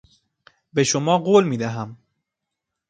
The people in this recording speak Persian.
به شما قول میدهم.